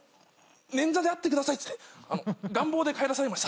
「捻挫であってください」っつって願望で帰らされました。